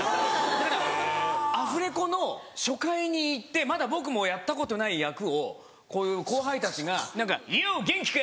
だからアフレコの初回に行ってまだ僕もやったことない役をこういう後輩たちが「『よう元気か！』